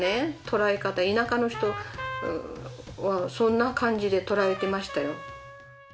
とらえ方田舎の人はそんな感じでとらえてましたよ